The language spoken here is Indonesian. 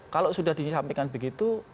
kalau sudah disampaikan begitu